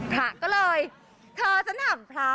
พระก็เลยเธอฉันถามพระ